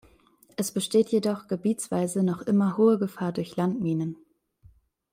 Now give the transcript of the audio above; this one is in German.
Es besteht jedoch gebietsweise noch immer hohe Gefahr durch Landminen.